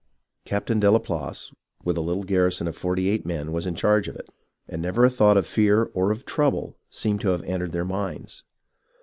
Captain Delaplace, with a Httle garrison of forty eight men, was in charge of it, and never a thought of fear or of trouble seemed to have entered their minds.